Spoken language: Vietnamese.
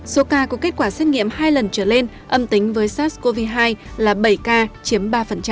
số ca có kết quả xét nghiệm hai lần trở lên âm tính với sars cov hai là bảy ca chiếm ba